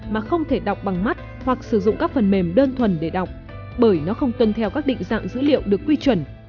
mà không thể đọc bằng mắt hoặc sử dụng các phần mềm đơn thuần để đọc bởi nó không tuân theo các định dạng dữ liệu được quy chuẩn